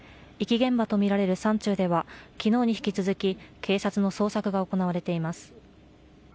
遺棄現場とみられる山中では、昨日に引き続き警察の捜索が行われています。